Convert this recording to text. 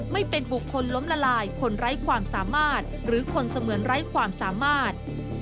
ไม่เป็นบุคคลล้มละลายคนไร้ความสามารถหรือคนเสมือนไร้ความสามารถ